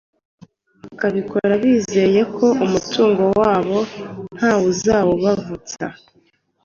bakabikora bizeye ko umutungo wabo ntawuzawubavutsa